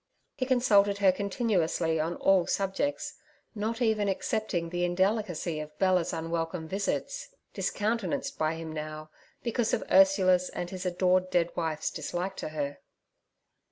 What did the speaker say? He consulted her continuously on all subjects, not even excepting the indelicacy of Bella's unwelcome visits, discountenanced by him now, because of Ursula's and his adored dead wife's dislike to her.